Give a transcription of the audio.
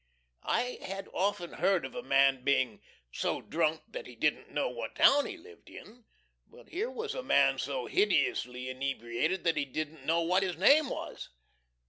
I had often heard of a man being "so drunk that he didn't know what town he lived in," but here was a man so hideously inebriated that he didn't know what his name was.